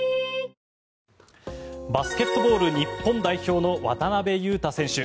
バスケットボール日本代表の渡邊雄太選手。